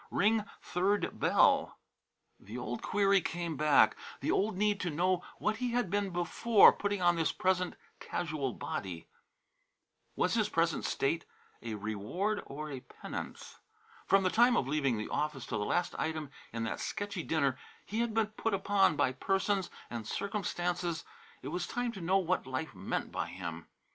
Ring third bell. The old query came back, the old need to know what he had been before putting on this present very casual body. Was his present state a reward or a penance? From the time of leaving the office to the last item in that sketchy dinner, he had been put upon by persons and circumstances. It was time to know what life meant by him.